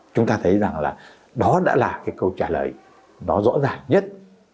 chúng ta thấy rằng đó đã là câu trả lời rõ ràng nhất